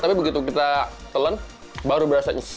tapi begitu kita telan baru berasa